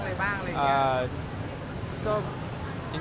ไม่ใช่นั้น